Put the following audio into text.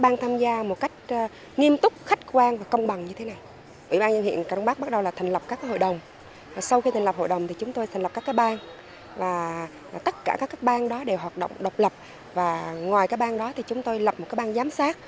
ngoài các bang đó thì chúng tôi lập một cái bang giám sát